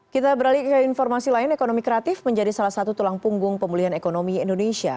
kita beralih ke informasi lain ekonomi kreatif menjadi salah satu tulang punggung pemulihan ekonomi indonesia